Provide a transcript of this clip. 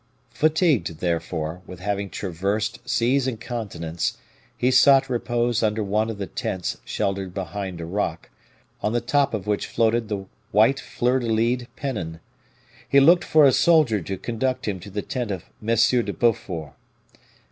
Fatigued, therefore, with having traversed seas and continents, he sought repose under one of the tents sheltered behind a rock, on the top of which floated the white fleur de lised pennon. He looked for a soldier to conduct him to the tent of M. de Beaufort.